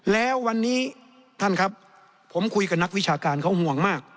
แล้ววันนี้ท่านครับผมคุยกับนักวิชาการเขาห่วงมาก